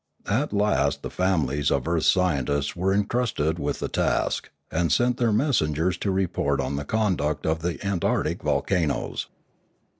At last the families of earth scientists were en trusted with the task, and sent their messengers to re port on the conduct of the antarctic volcanoes.